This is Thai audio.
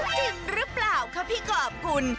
จริงหรือเปล่าคะพี่กรอบคุณ